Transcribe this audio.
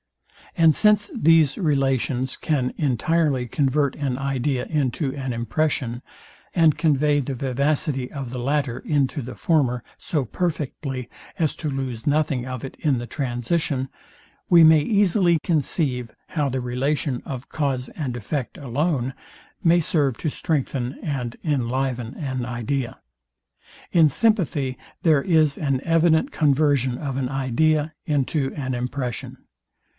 And since these relations can entirely convert an idea into an impression, and convey the vivacity of the latter into the former, so perfectly as to lose nothing of it in the transition, we may easily conceive how the relation of cause and effect alone, may serve to strengthen and inliven an idea. In sympathy there is an evident conversion of an idea into an impression.